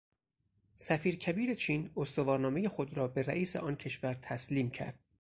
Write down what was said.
سفیر کبیر چین استوارنامهٔ خود را به رئیس آن کشور تسلیم کرد.